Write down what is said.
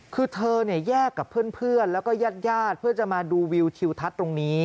คือเธอเนี่ยแยกกับเพื่อนแล้วก็ญาติเพื่อจะมาดูวิวทิวทัศน์ตรงนี้